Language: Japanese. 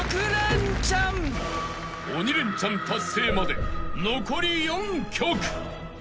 ［鬼レンチャン達成まで残り４曲］